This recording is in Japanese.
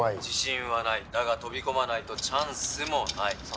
自信はないだが飛び込まないとチャンスもない